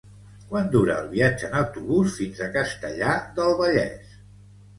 Quant dura el viatge en autobús fins a Castellar del Vallès?